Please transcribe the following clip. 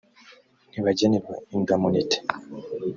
ntibagenerwa indamunite